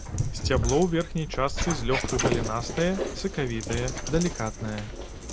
Сцябло ў верхняй частцы злёгку галінастае, сакавітае, далікатнае.